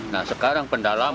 nah sekarang pendalam